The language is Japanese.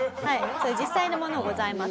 実際のものございます。